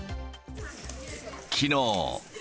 きのう。